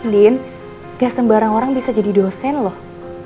din gak sembarang orang bisa jadi dosen loh